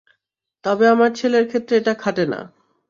তবে, আমার ছেলের ক্ষেত্রে এটা খাটে না!